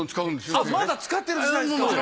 あっまだ使ってる時代ですか！